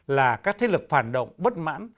là các thế lực phản động bất mãn